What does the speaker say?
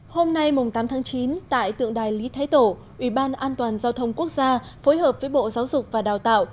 hôm nay tám tháng chín tại tượng đài lý thái tổ ủy ban an toàn giao thông quốc gia phối hợp với bộ giáo dục và đào tạo